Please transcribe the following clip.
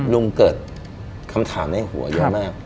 ลุงเกิดคำถามในหัวเยอะมาก